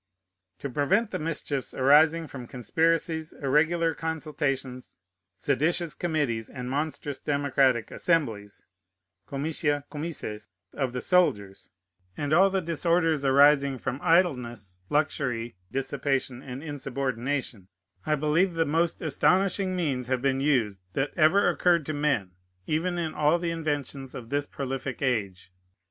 To prevent the mischiefs arising from conspiracies, irregular consultations, seditious committees, and monstrous democratic assemblies [comitia, comices] of the soldiers, and all the disorders arising from idleness, luxury, dissipation, and insubordination, I believe the most astonishing means have been used that ever occurred to men, even in all the inventions of this prolific age.